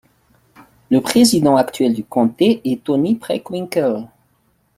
Le président actuel du comté est Toni Preckwinkle.